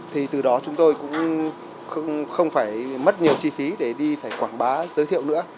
thì từ đó chúng tôi cũng không phải mất nhiều chi phí để đi phải quảng bá giới thiệu nữa